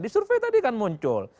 di survei tadi kan muncul